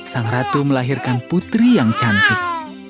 sang ratu melahirkan putri yang cantik